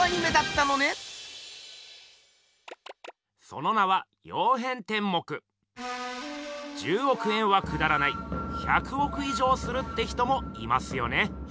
その名は１０億円はくだらない１００億以上するって人もいますよね。